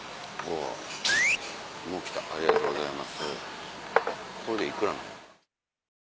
もう来たありがとうございます。